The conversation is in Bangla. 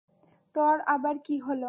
তর আবার কি হল?